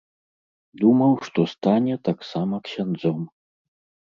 Думаў, што стане таксама ксяндзом.